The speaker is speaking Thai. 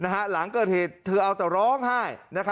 หลังเกิดเหตุเธอเอาแต่ร้องไห้